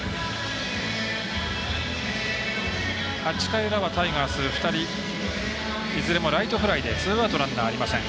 ８回裏はタイガース、２人いずれもライトフライでツーアウト、ランナーありません。